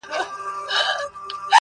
لوبې د ژوند برخه ده